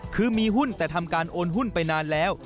คือมีหุ้นแต่ทำการโอนหุ้นไปนานแล้ว